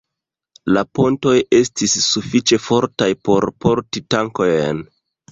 La pontoj estis sufiĉe fortaj por porti tankojn.